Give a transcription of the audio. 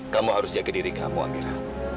kamu harus jaga diri kamu amira